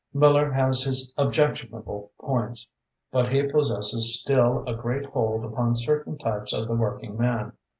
Miller has his objectionable points, but he possesses still a great hold upon certain types of the working man.